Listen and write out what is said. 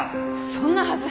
そんなはず！